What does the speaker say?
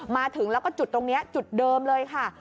มาถึงแล้วก็จุดตรงนี้จุดเดิมเลยค่ะ